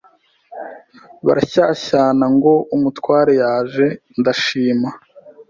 barashyashyana ngo umutware yaje ndashima